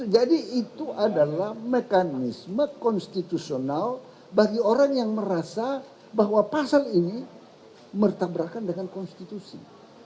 jadi itu adalah mekanisme konstitusional bagi orang yang merasa bahwa pasal ini bertabrakan dengan konstitusi